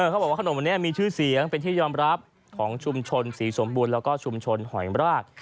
เขาบอกว่าขนมอันนี้มีชื่อเสียงเป็นที่ยอมรับของชุมชนศรีสมบูรณ์แล้วก็ชุมชนหอยราก